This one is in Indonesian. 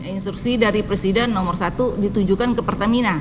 instruksi dari presiden nomor satu ditujukan ke pertamina